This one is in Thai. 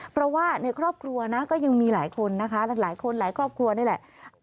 เพราะว่าในครอบครัวนะก็ยังมีหลายคนนะคะหลายคนหลายครอบครัวนี่แหละ